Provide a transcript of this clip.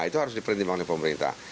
itu harus dipertimbangkan oleh pemerintah